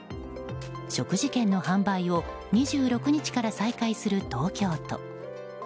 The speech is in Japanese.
食事券の販売を２６日から再開する東京都。